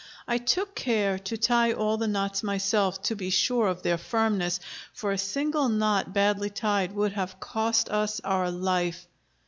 I took care to tie all the knots myself, to be sure of their firmness, for a single knot badly tied would have cost us our life.